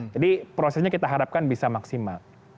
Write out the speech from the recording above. jadi prosesnya kita harapkan bisa maksimal